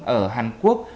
ở hàn quốc